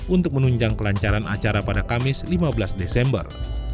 untuk menunjang kelancaran acara pada kamis lima belas desember